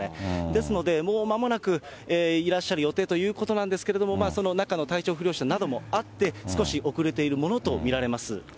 ですので、もうまもなくいらっしゃる予定ということなんですけれども、中の体調不良者などもあって、少し遅れているものと見られます。